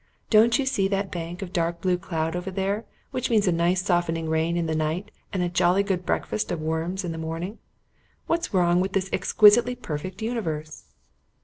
Don't you see that bank of dark blue cloud over there which means a nice softening rain in the night and a jolly good breakfast of worms in the morning? What's wrong with this exquisitely perfect universe?"